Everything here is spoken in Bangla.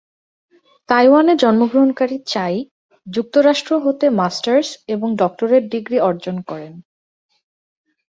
তাইওয়ানে জন্মগ্রহণকারী চাই যুক্তরাষ্ট্র হতে মাস্টার্স এবং ডক্টরেট ডিগ্রী অর্জন করেন।